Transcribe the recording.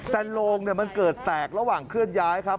แต่โลงมันเกิดแตกระหว่างเคลื่อนย้ายครับ